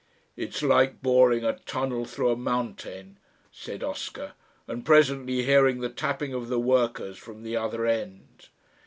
"It's like boring a tunnel through a mountain," said Oscar, "and presently hearing the tapping of the workers from the other end."